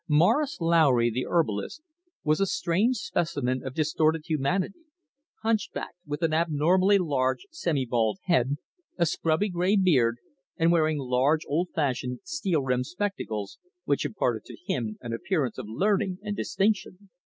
Morris Lowry, the herbalist, was a strange specimen of distorted humanity, hunch backed, with an abnormally large, semi bald head, a scrubby grey beard, and wearing large, old fashioned, steel rimmed spectacles, which imparted to him an appearance of learning and distinction.